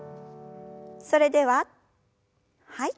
それでははい。